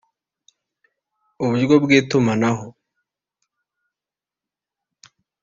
uburyo bw’itumanaho